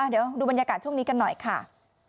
เดี๋ยวดูบรรยากาศช่วงนี้กันหน่อยค่ะ